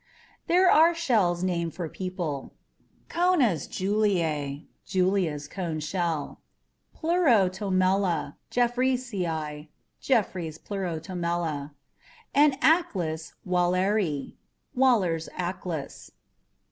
There are shells named for people: CONUS JULIAE ("Julia's cone shell"), PLEUROTOMELLA JEFFREYSII ("Jeffrey's Pleurotomella"), and ACLIS WALLERI ("Waller's Aclis").